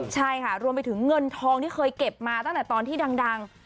ใช่ค่ะรวมไปถึงเงินทองที่เคยเก็บมาตั้งแต่ตอนที่ดัง